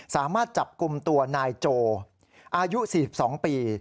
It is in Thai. สามารถจับกลุ่มตัวนายโจอายุ๔๒ปี